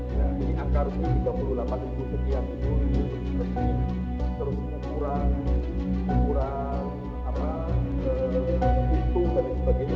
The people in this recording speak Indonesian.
ini angka harusnya tiga puluh delapan setiap minggu terus menurunkan kurang kurang itu dan sebagainya